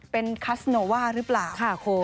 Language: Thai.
เป็นคัสโนว่าหรือเปล่าค่ะโคตร